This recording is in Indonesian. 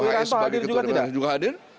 pak wiranto juga hadir